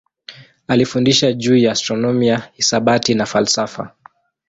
Alifundisha juu ya astronomia, hisabati na falsafa.